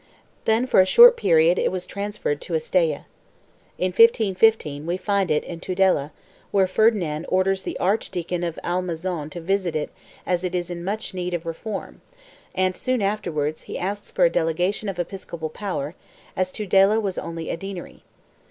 Then, for a short period it was transferred to Estella. In 1515 we find it in Tudela, where Ferdinand orders the Archdeacon of Almazan to visit it as it is in much need of reform and, soon afterwards, he asks for a delegation of episcopal power, as Tudela was only a deanery.